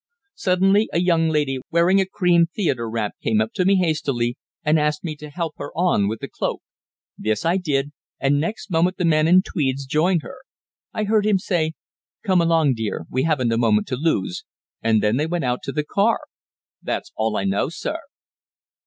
Suddenly a young lady wearing a cream theatre wrap came up to me hastily, and asked me to help her on with the cloak. This I did, and next moment the man in tweeds joined her. I heard him say, 'Come along, dear, we haven't a moment to lose,' and then they went out to the car. That's all I know, sir."